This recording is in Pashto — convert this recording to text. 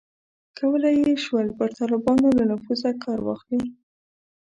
کولای یې شول پر طالبانو له نفوذه کار واخلي.